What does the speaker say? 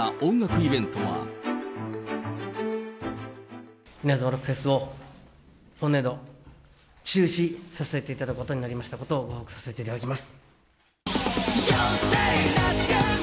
イナズマロックフェスを今年度、中止させていただくことになりましたことをご報告させていただきます。